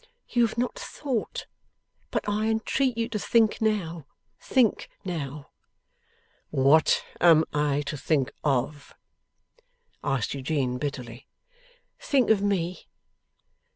You have not thought. But I entreat you to think now, think now!' 'What am I to think of?' asked Eugene, bitterly. 'Think of me.